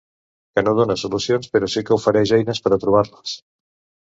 Que no dóna solucions, però sí que ofereix eines per a trobar-les.